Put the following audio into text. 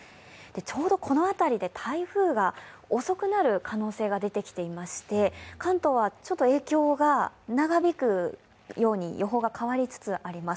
ちょうどこの辺りで台風が遅くなる可能性が出てきていまして関東はちょっと影響が長引くように予報が変わりつつあります。